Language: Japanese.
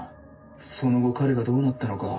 その後彼がどうなったのか。